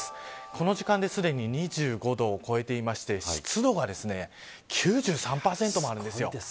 この時間ですでに２５度を超えていて湿度が９３％もあるんです。